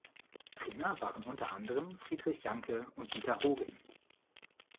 Trainer waren unter anderem Friedrich Janke und Dieter Hogen.